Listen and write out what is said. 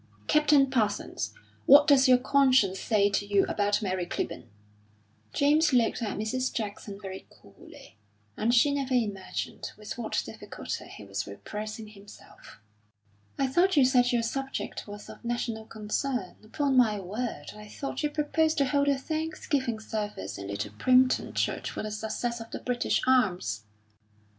"Captain Parsons, what does your conscience say to you about Mary Clibborn?" James looked at Mrs. Jackson very coolly, and she never imagined with what difficulty he was repressing himself. "I thought you said your subject was of national concern. Upon my word, I thought you proposed to hold a thanksgiving service in Little Primpton Church for the success of the British arms."